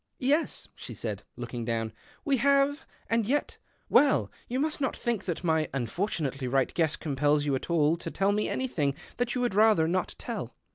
" Yes," she said, looking down, " we have. Lnd yet — well, you must not think that my nfortunately right guess compels you at all tell me anything that you would rather ot tell."